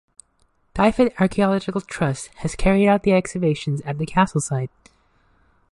Dyfed Archaeological Trust has carried out excavations at the castle site.